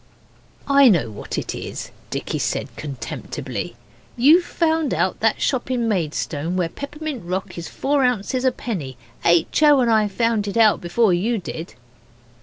'I know what it is,' Dicky said contemptibly. 'You've found out that shop in Maidstone where peppermint rock is four ounces a penny. H. O. and I found it out before you did.